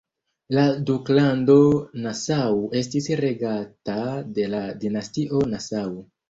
La duklando Nassau estis regata de la dinastio Nassau.